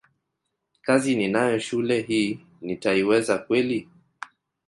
kazi ninayo shule hii nitaiweza kweli